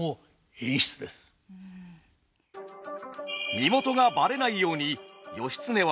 身元がバレないように義経は荷物持ちに。